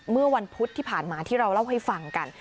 เมื่อวันพุธที่ผ่านมาที่เราเล่าให้ฟังกัน